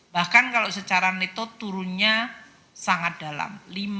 bahkan kalau secara neto turunnya sangat dalam